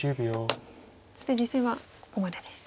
そして実戦はここまでです。